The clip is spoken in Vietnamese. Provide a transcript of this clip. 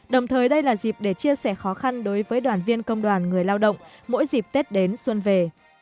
đồng thời đây là dịp để chia sẻ khó khăn đối với đoàn viên công đoàn người lao động mỗi dịp tết đến xuân về